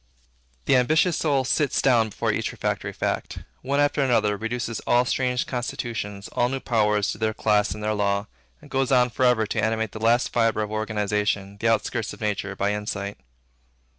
The ambitious soul sits down before each refractory fact; one after another, reduces all strange constitutions, all new powers, to their class and their law, and goes on for ever to animate the last fibre of organization, the outskirts of nature, by insight.